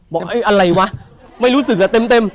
บอกอะไรวะไม่รู้สึกอ่ะเต็ม